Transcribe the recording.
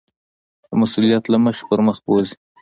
د مسؤلیت له مخې پر مخ بوځي.